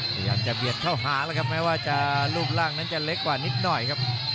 พยายามจะเบียดเข้าหาแล้วครับแม้ว่าจะรูปร่างนั้นจะเล็กกว่านิดหน่อยครับ